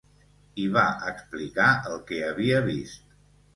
I va explicar el que havia vist.